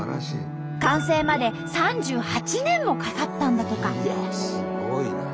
完成まで３８年もかかったんだとか。